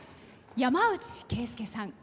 山内惠介さん